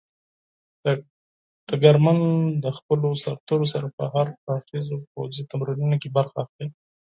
ډګرمن د خپلو سرتېرو سره په هر اړخيزو پوځي تمرینونو کې برخه اخلي.